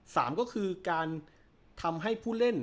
สามก็คือการทำให้ผู้เล่น